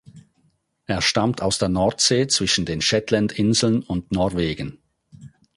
Es stammt aus der Nordsee zwischen den Shetlandinseln und Norwegen.